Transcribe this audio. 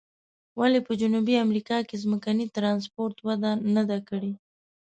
ولې په جنوبي امریکا کې ځمکني ترانسپورت وده نه ده کړې؟